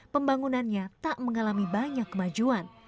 pembangunannya tak mengalami banyak kemajuan